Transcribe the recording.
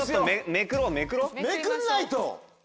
めくんないと。